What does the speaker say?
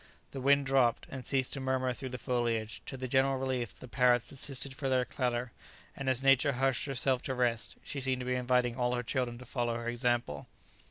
The wind dropped, and ceased to murmur through the foliage; to the general relief, the parrots desisted from their clatter; and as Nature hushed herself to rest, she seemed to be inviting all her children to follow her example.